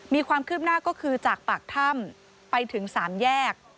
มีความคืบหน้าก็คือจากปากถ้ำไปถึง๓แยก